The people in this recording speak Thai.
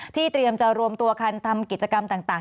เตรียมจะรวมตัวกันทำกิจกรรมต่าง